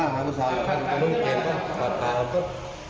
เป็นเฮียแห่งว่ะ